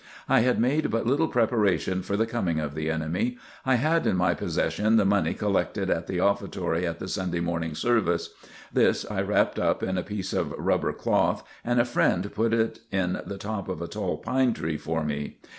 I had made but little preparation for the coming of the enemy. I had in my possession the money collected at the offertory at the Sunday morning service. This I wrapped up in a piece of rubber cloth and a friend put it in the top of a tall pine tree for me.